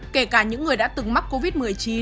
kể cả những người đã từng mắc covid một mươi chín